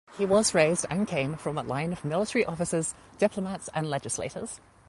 He was raised and came from a line of military officers, diplomats, and legislators.